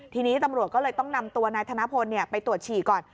ทีนี้ตำรวจก็เลยต้องนำตัวนายธนพลไปตรวจฉี่ก่อน